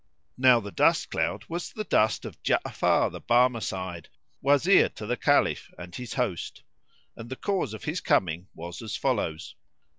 Now the dust cloud was the dust of J'afar the Barmecide, Wazir to the Caliph, and his host; and the cause of his coming was as follows.